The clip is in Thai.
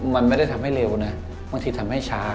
มันไม่ได้ทำให้เร็วนะบางทีทำให้ช้า